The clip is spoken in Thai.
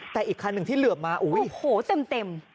แต่อีกคันหนึ่งที่เหลือบมาโอ้โหเต็ม